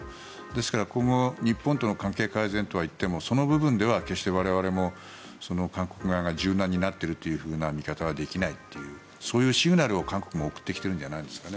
ですから、今後日本との関係改善といってもその部分では決して我々も韓国側が柔軟になっているという見方はできないというそういうシグナルを韓国も送ってきてるんじゃないですか。